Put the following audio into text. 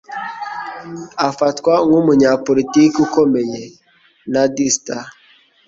Afatwa nkumunyapolitiki ukomeye. (nadsat)